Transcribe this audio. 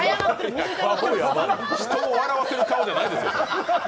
人を笑わせる顔じゃないですよ。